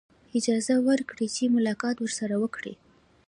اجازه ورکړي چې ملاقات ورسره وکړي.